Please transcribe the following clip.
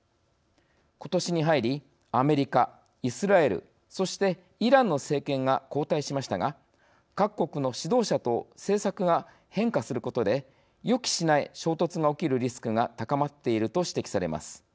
ことしに入りアメリカ、イスラエルそしてイランの政権が交代しましたが各国の指導者と政策が変化することで予期しない衝突が起きるリスクが高まっていると指摘されます。